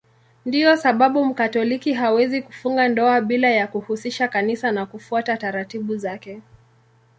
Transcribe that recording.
Ndiyo sababu Mkatoliki hawezi kufunga ndoa bila ya kuhusisha Kanisa na kufuata taratibu zake.